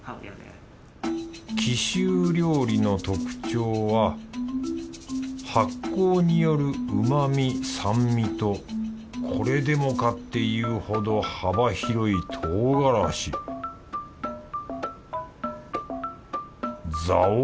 貴州料理の特徴は発酵による旨味・酸味とこれでもかっていうほど幅広い唐辛子ずぁ